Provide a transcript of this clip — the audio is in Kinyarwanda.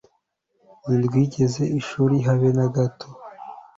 ntirwigeze ishuri habe nagato